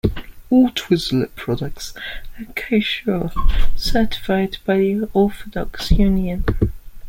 All Twizzler products are kosher certified by the Orthodox Union.